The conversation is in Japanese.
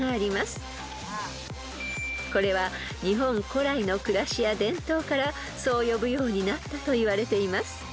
［これは日本古来の暮らしや伝統からそう呼ぶようになったといわれています］